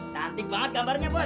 cantik banget gambarnya bos